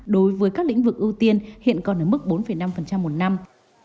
đối với các lĩnh vực ưu tiên hiện còn ở mức bốn năm một năm